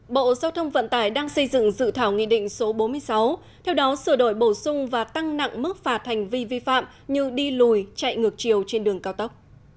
bộ giao thông vận tải đang xây dựng dự thảo nghị định số bốn mươi sáu theo đó sửa đổi bổ sung và tăng nặng mức phạt hành vi vi phạm như đi lùi chạy ngược chiều trên đường cao tốc